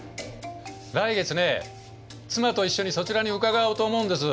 来月ね妻と一緒にそちらに伺おうと思うんです。